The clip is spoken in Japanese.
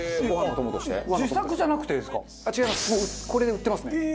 もうこれで売ってますね。